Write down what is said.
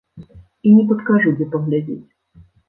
І не падкажу, дзе паглядзець.